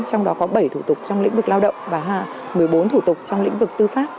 trong đó có bảy thủ tục trong lĩnh vực lao động và một mươi bốn thủ tục trong lĩnh vực tư pháp